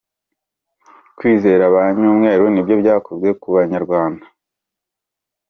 Kwizera ba Nyamweru nibyo byakoze ku banyarwanda.